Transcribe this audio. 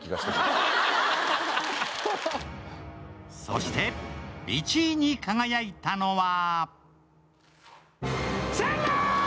そして、１位に輝いたのは？